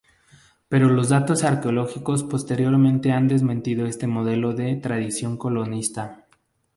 Pero los datos arqueológicos posteriores han desmentido este modelo de tradición colonialista.